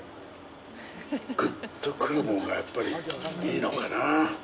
グッと来るものが、やっぱりいいのかなぁ。